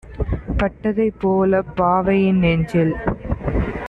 பட்டதைப் போல்அப் பாவையின் நெஞ்சில்